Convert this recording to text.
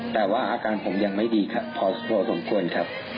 แต่ว่าอาการผมยังไม่ดีพอสมควรครับ